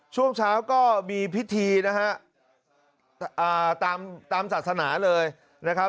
ช่วงเช้าก็มีพิธีนะฮะตามศาสนาเลยนะครับ